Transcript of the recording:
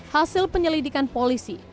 hasil penyelidikan polisi